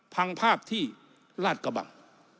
ผังภาพที่ราชกระบ่าง